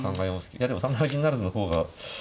いやでも３七銀不成の方が。